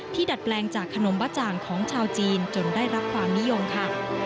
ดัดแปลงจากขนมบ้าจ่างของชาวจีนจนได้รับความนิยมค่ะ